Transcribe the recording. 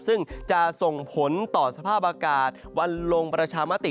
ซึ่งจะส่งผลต่อสภาพอากาศวันลงประชามติ